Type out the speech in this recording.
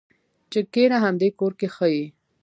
چې کېنه همدې کور کې ښه یې.